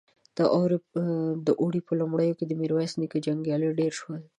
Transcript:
د اوړي په لومړيو کې د ميرويس نيکه جنګيالي ډېر شول.